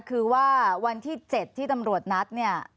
คือว่าวันที่๗ที่ตำรวจนัดเนี่ย